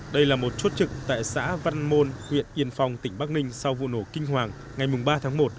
đây là một chốt trực tại xã văn môn huyện yên phong tỉnh bắc ninh sau vụ nổ kinh hoàng ngày ba tháng một